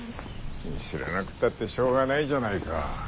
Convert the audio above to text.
知らなくたってしょうがないじゃないか。